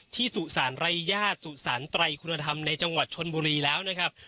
ที่สู่สารไร่ญาติสู่สารไตรคุณภรรภ์ในจังหวัดชนบุรีแล้วนะครับ